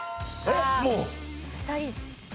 もう２人です